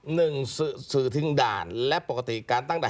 หนึ่งสื่อถึงด่านและปกติการตั้งแต่